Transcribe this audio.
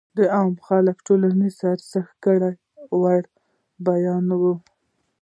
د عامو خلکو ټولنيز ارزښتونه ،کړه وړه بيان وي.